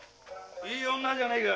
いい女じゃねえか！